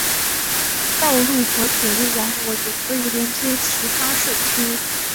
道路和铁路网络也可以连接其他市区。